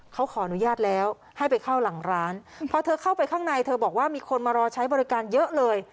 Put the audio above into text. เขาขออนุญาตแล้วให้ไปเข้าหลังร้านพอเธอเข้าไปข้างในเธอบอกว่ามีคนมารอใช้บริการเยอะเลย